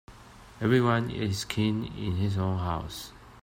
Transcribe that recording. Every one is king in his own house.